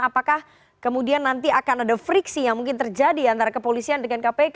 apakah kemudian nanti akan ada friksi yang mungkin terjadi antara kepolisian dengan kpk